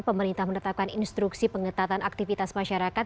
pemerintah menetapkan instruksi pengetatan aktivitas masyarakat